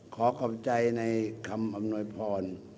ขอขอบใจในคำอำนวยพร